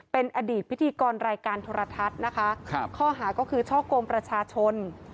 เป็นอดีตพิธีกรรายการโทรทัศน์นะคะข้อหาก็คือช่อกงประชาชน